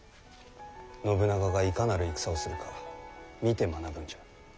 信長がいかなる戦をするか見て学ぶんじゃ。